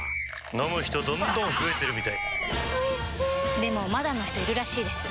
飲む人どんどん増えてるみたいおいしでもまだの人いるらしいですよ